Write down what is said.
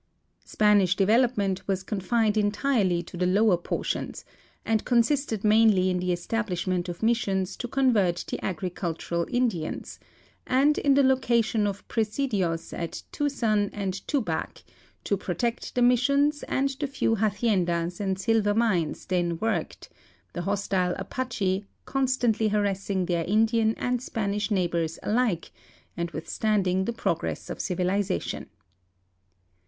Spanish development was confined entirely to the lower por tions, and consisted mainly in the estal)lisliment of missions to convert the agricultural Indians, and in the location of presidios at Tucson and Tubac to protect the missions and the few haei endas and silver mines then worked, the hostile Ajtache con stantly harassing their Indian and Spanish neighbors alike and withstanding the progress of civilization.